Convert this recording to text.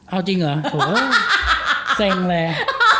เอาจริงเหรอโหเส่งแหละ